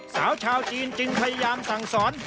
สาวชาวจีนจึงพยายามสั่งสอน